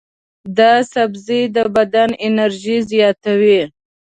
دا سبزی د بدن انرژي زیاتوي.